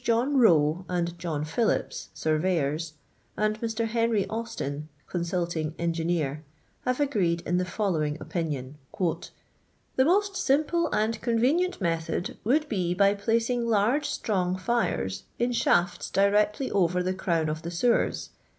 John Koe and John riiillips (^urvcynr?) and Mr. Henry Austin (consulting engineer; have agreed in the following opinion :—" The most simple and convenient method would be by placing large strong tires in shafts directly over the crown of the sewers.